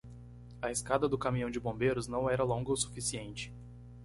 A escada do caminhão de bombeiros não era longa o suficiente.